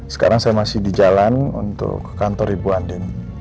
sekarang saya masih di jalan untuk ke kantor ibu anim